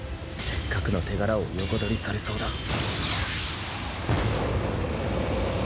せっかくの手柄を横取りされそうだ。